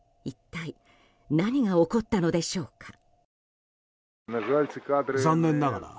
一体何が起こったのでしょうか。